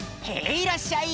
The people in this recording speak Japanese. いらっしゃい！